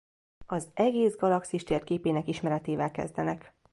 Az egész galaxis térképének ismeretével kezdenek.